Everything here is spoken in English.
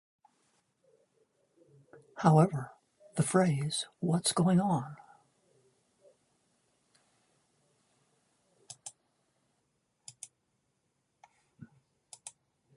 However, the phrase what's going on?